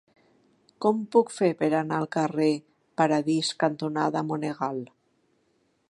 Com ho puc fer per anar al carrer Paradís cantonada Monegal?